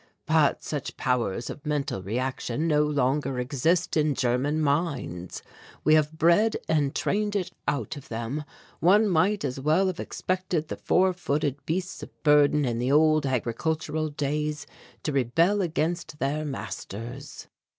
But such powers of mental reaction no longer exist in German minds. We have bred and trained it out of them. One might as well have expected the four footed beasts of burden in the old agricultural days to rebel against their masters."